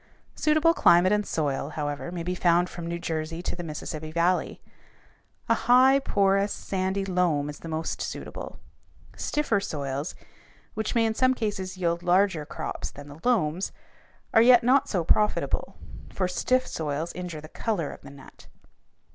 Suitable climate and soil, however, may be found from New Jersey to the Mississippi valley. A high, porous, sandy loam is the most suitable. Stiffer soils, which may in some cases yield larger crops than the loams, are yet not so profitable, for stiff soils injure the color of the nut.